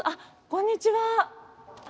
こんにちは。